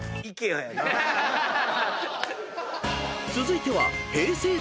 ［続いては］